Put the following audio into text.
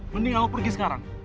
mending lo pergi sekarang